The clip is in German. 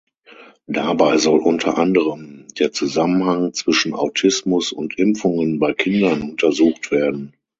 Dabei soll unter anderem der Zusammenhang zwischen Autismus und Impfungen bei Kindern untersucht werden.